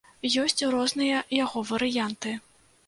Ёсць розныя яго варыянты.